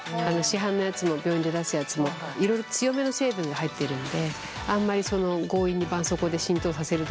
市販のやつも病院で出すやつもいろいろ強めの成分が入っているのであんまり強引にばん